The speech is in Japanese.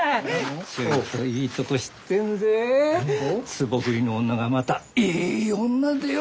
壺振りの女がまたいい女でよ。